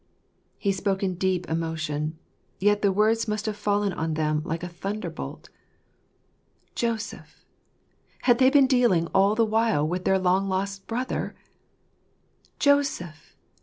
He spoke in deep emotion ; yet the words must have fallen on them like a thunderbolt. "Joseph!" Had they been dealing all the while with their long lost brother ?" Joseph !